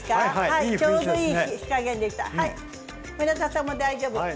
村田さんも大丈夫。